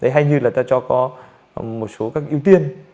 hay như là ta cho có một số các ưu tiên